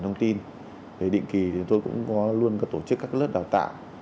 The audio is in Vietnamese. để đảm bảo an toàn thông tin định kỳ tôi cũng luôn tổ chức các lớp đào tạo